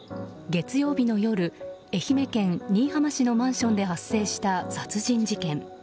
月曜日の夜、愛媛県新居浜市のマンションで発生した殺人事件。